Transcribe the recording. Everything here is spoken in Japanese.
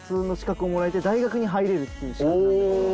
大学に入れるっていう資格なんだけど。